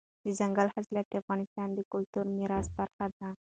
دځنګل حاصلات د افغانستان د کلتوري میراث برخه ده.